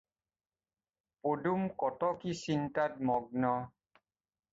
পদুম কত কি চিন্তাত মগ্ন।